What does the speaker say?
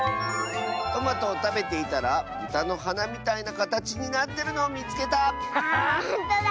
「トマトをたべていたらブタのはなみたいなかたちになってるのをみつけた！」。